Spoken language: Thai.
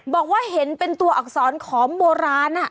บอกว่าเห็นเป็นตัวอักษรขอมโบราณ